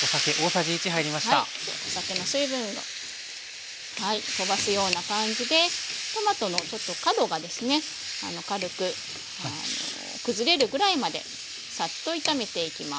お酒の水分を飛ばすような感じでトマトのちょっと角がですね軽く崩れるぐらいまでサッと炒めていきます。